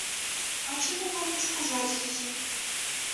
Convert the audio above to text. А чому б вам не сказать її?